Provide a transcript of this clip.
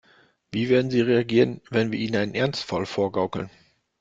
Wie werden sie reagieren, wenn wir ihnen einen Ernstfall vorgaukeln?